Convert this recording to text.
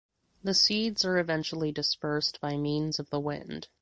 The seeds are eventually dispersed by means of the wind.